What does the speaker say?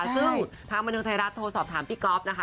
ซึ่งทางบรรยาทร์โทรสอบถามพี่ก๊อฟนะคะ